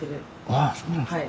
ああそうなんですか。